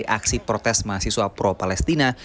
yang menanggung aksi protes mahasiswa pro palestina